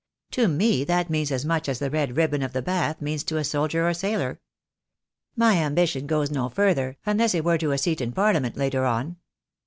To me that means as much as the red ribbon of the Bath means to a soldier or sailor. My ambition goes no further, unless it were to a seat in Parliament later on."